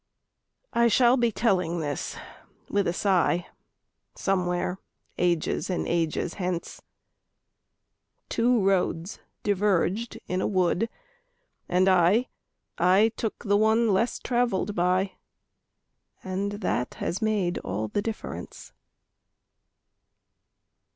_ _I shall be telling this with a sigh Somewhere ages and ages hence: Two roads diverged in a wood, and I I took the one less traveled by, And that has made all the difference.